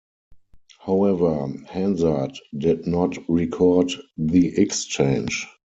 However, Hansard did not record the exchange.